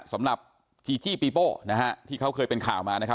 สำหรับจีจี้ปีโป้นะฮะที่เขาเคยเป็นข่าวมานะครับ